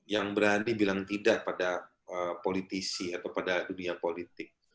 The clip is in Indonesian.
yang berani bilang tidak pada politisi atau pada dunia politik